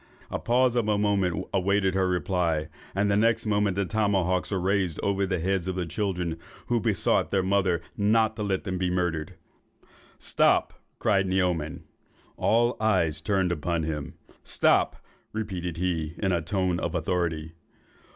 A pause of a moment awaited her reply, and the next moment the tomahawks were raised over the heads of the children, who besought their mother not to let them be murdered. "'Stop!' cried Naoman. All eyes were turned upon him. 'Stop!' repeated he in a tone of authority.